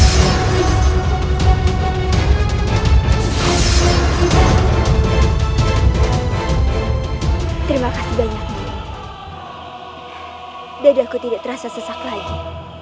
terima kasih banyak dadaku tidak terasa sesak lagi